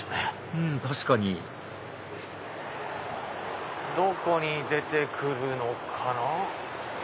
うん確かにどこに出て来るのかな？